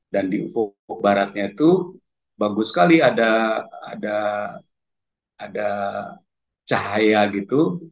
dan di ufuk baratnya itu bagus sekali ada cahaya gitu